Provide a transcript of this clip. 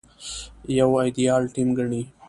يو ايديال ټيم ګڼي.